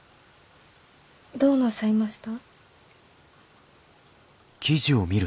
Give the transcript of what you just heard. どうなさいました？